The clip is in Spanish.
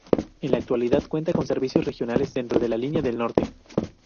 En la actualidad cuenta con servicios regionales dentro de la línea del Norte.